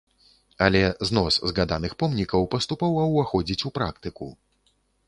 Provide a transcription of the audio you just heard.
Але знос згаданых помнікаў паступова ўваходзіць у практыку.